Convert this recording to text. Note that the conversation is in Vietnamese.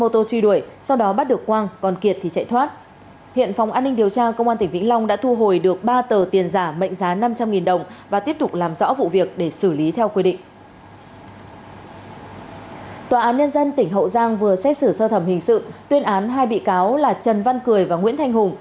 tòa án nhân dân tỉnh hậu giang vừa xét xử sơ thẩm hình sự tuyên án hai bị cáo là trần văn cười và nguyễn thanh hùng